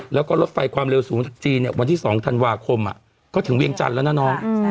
แล้วก็รถไฟความเร็วสูงจากจีนวันที่๒ธันวาคมก็ถึงเวียงจันทร์แล้วนะน้อง